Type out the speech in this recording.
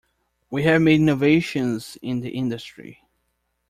We have made innovations in the industry.